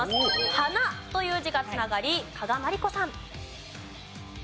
「花」という字が繋がり加賀まりこさん。